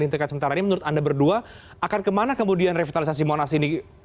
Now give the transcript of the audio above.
di tingkat sementara ini menurut anda berdua akan kemana kemudian revitalisasi monas ini